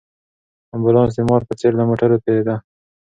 امبولانس د مار په څېر له موټرو تېرېده.